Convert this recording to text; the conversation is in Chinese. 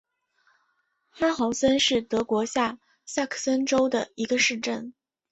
哈豪森是德国下萨克森州的一个市镇。